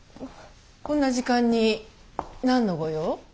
こんな時間に何のご用？